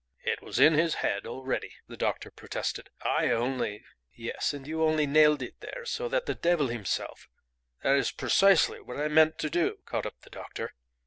"It was in his head already," the doctor protested. "I only " "Yes. And you only nailed it there so that the devil himself " "That is precisely what I meant to do," caught up the doctor.